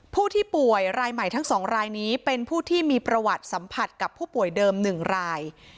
ผู้ที่ป่วยรายใหม่ทั้ง๒รายนี้เป็นผู้ที่มีประวัติสัมผัสกับผู้ป่วยเดิม๑ราย